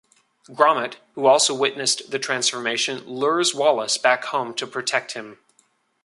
Gromit, who also witnessed the transformation, lures Wallace back home to protect him.